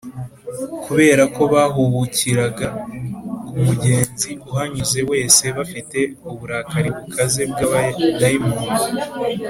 kubera ko bahubukiraga ku mugenzi uhanyuze wese bafite uburakari bukaze bw’abadayimoni